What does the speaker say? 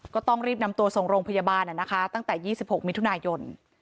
ก็ต้องรีบนำตัวส่งโรงพยาบาลน่ะนะคะตั้งแต่ยี่สิบหกมิถุนายน